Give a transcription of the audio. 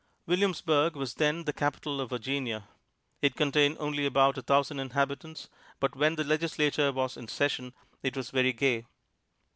Williamsburg was then the capital of Virginia. It contained only about a thousand inhabitants, but when the Legislature was in session it was very gay.